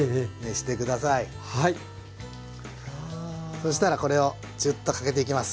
そしたらこれをジュッとかけていきます。